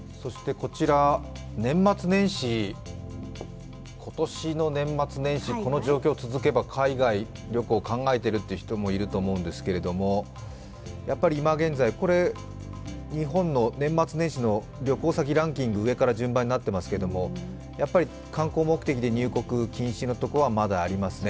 こちら、今年の年末年始、この状況続けば海外旅行を考えている人もいると思うんですけれども、やっぱり今現在、これ日本の年末年始の旅行先ランキング、上から順番になってますけど、観光目的での入国禁止のところはまだありますね。